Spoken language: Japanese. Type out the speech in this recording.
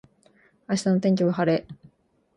明日の天気は晴れ。